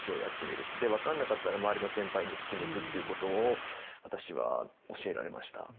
で分かんなかったら周りの先輩に聞きにいくっていうことを私は教えられました。